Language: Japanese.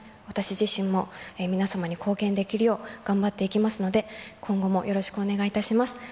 私自身も皆様に貢献できるよう頑張っていきますので、今後もよろしくお願いいたします。